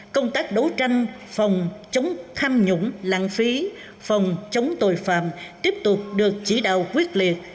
công tác đấu tranh phòng chống tham nhũng lãng phí phòng chống tội phạm tiếp tục được chỉ đạo quyết liệt